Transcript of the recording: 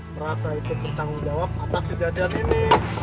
merasa ikut bertanggung jawab atas kejadian ini